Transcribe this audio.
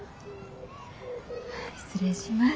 失礼します。